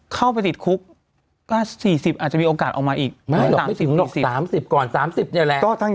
เข้าไปติดคุกก็๔๐อาจจะมีโอกาสออกมาอีก๓๐ก่อน๓๐นี่แหละ